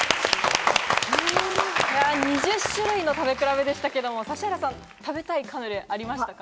２０種類の食べ比べでしたけれど、指原さん、食べたいカヌレはありましたか？